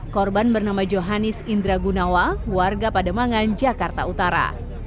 korban bernama johanis indra gunawa warga pademangan jakarta utara